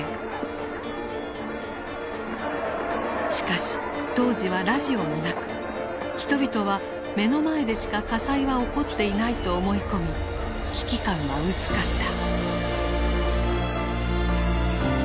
しかし当時はラジオもなく人々は目の前でしか火災は起こっていないと思い込み危機感は薄かった。